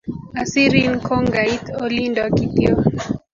Asirin kongait olindo kityo